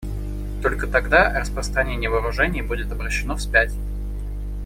Только тогда распространение вооружений будет обращено вспять.